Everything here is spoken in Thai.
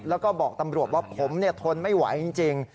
แล้วก็บอกตำรวจว่าผมทนไม่ไหวจริง